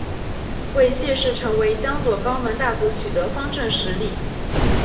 为谢氏成为江左高门大族取得方镇实力。